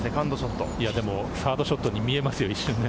でもサードショットに見えますよね。